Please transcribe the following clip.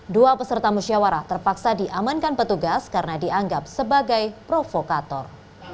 dua peserta musyawarah terpaksa diamankan petugas karena dianggap sebagai provokator